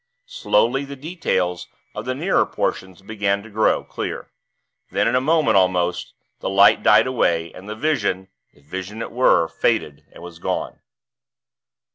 Slowly, the details of the nearer portions began to grow clear; then, in a moment almost, the light died away, and the vision if vision it were faded and was gone.